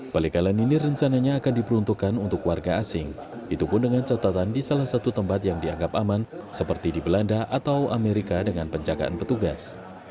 pelikalan ini rencananya akan diperuntukkan untuk warga asing itu pun dengan catatan di salah satu tempat yang dianggap aman seperti di belanda atau amerika dengan penjagaan petugas